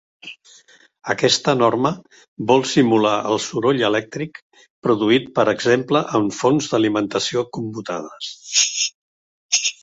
Aquesta norma vol simular el soroll elèctric produït per exemple en fonts d'alimentació commutades.